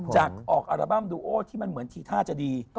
จากออกอัลบั้มดูโอที่มันเหมือนทีท่าจะดี